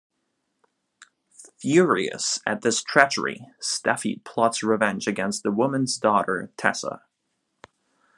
Furious at this treachery, Steffi plots revenge against the woman's daughter Tessa.